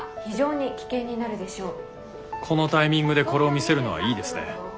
このタイミングでこれを見せるのはいいですね。